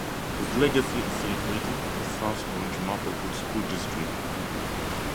His legacy is celebrated in the South Orange-Maplewood School District.